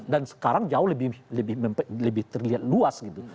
dan sekarang jauh lebih terlihat luas gitu